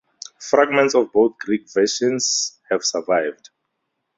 Fragments of both Greek versions have survived.